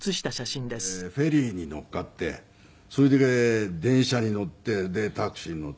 それでフェリーに乗っかってそれで電車に乗ってタクシーに乗って。